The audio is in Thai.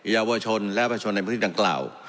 ยาวชนและพระชนในพฤทธิ์ดังกล่าว